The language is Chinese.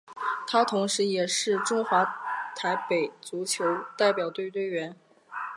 他同时也是中华台北足球代表队成员。